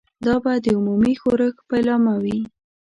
دا به د عمومي ښورښ پیلامه وي.